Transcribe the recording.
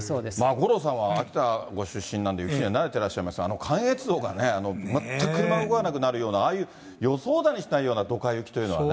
五郎さんは秋田ご出身なんで、雪には慣れてらっしゃいますが、関越道がね、全く車動かなくなるような、ああいう予想だにしないようなドカ雪というのはね。